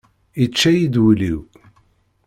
Yečča-yi-d wul-iw!